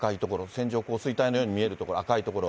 線状降水帯のように見える所、赤い所は。